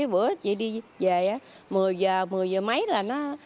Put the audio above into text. bữa chị đi về mười giờ mười giờ mấy là nó